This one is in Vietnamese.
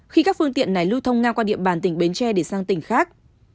khi các phương tiện này lưu thông ngang qua địa bàn tỉnh bến tre để sang tỉnh khác